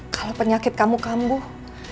kalau penyakit kamu kambuh